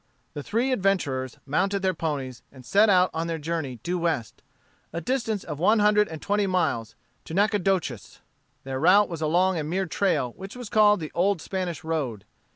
The three adventurers mounted their ponies, and set out on their journey due west, a distance of one hundred and twenty miles, to Nacogdoches. Their route was along a mere trail, which was called the old Spanish road.